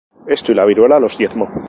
Esto y la viruela los diezmó.